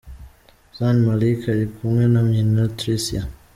Zayn Malik ari kumwe na nyina Tricia.